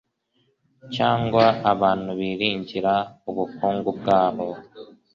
cyangwa abantu biringira ubukungu bwabo